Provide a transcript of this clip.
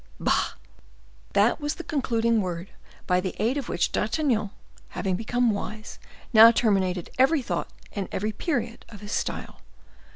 Bah!" That was the concluding word by the aid of which D'Artagnan, having become wise, now terminated every thought and every period of his style.